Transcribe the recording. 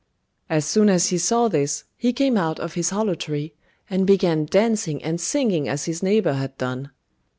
As soon as he saw this, he came out of his hollow tree, and began dancing and singing as his neighbour had done.